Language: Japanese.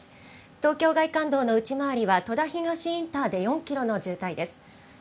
東京外環道の内回りは戸田東インターで４キロの渋滞です。